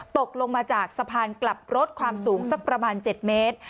ตกลงมาจากสะพานกลับรถความสูงสักประมาณ๗เมตร